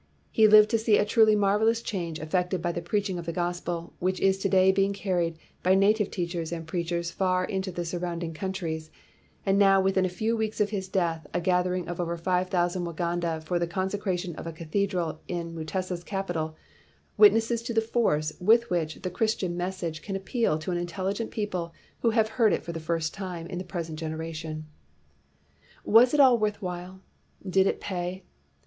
He lived to see a truly marvelous change ef fected by the preaching of the gospel, which is to day being carried by native teachers and preachers far into the surrounding countries; and now within a few weeks of his death a gathering of over 5,000 Waganda for the consecration of a cathedral in Mu tesa's capital witnesses to the force with which the Christian message can appeal to an intelligent people who have heard it for the first time in the present generation." Was it all worth while? Did it pay?